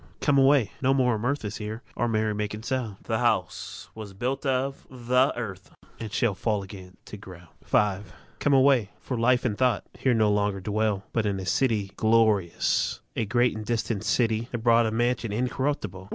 Come away; no more of mirth Is here or merry making sound. The house was builded of the earth, And shall fall again to ground. V. Come away; for Life and Thought Here no longer dwell, But in a city glorious¢ A great and distant city¢have bought A mansion incorruptible.